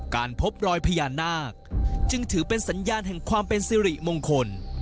การพบรอยพญานาคจึงถือเป็นสัญญาณแห่งความเป็นสิริมงคล